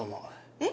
え？